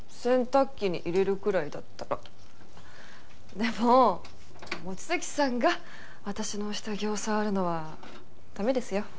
でも望月さんが私の下着を触るのは駄目ですよ。